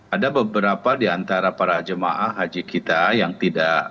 ada beberapa diantara para jemaah haji kita yang tidak